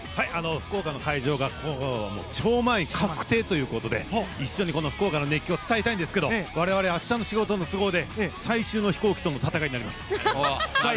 福岡の会場が超満員確定ということで一緒に福岡の熱狂を伝えたいんですが我々は明日の仕事の都合で最終の飛行機との戦いになります。